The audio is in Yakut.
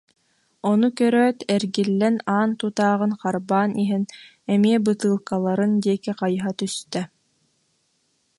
Ону көрөөт, эргиллэн аан тутааҕын харбаан иһэн эмиэ бытыылкаларын диэки хайыһа түстэ